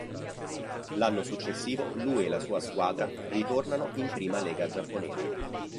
L'anno successivo lui e la sua squadra ritornano in prima lega giapponese.